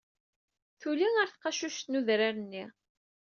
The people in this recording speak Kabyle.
Tuli ɣer tqacuct n udrar-nni.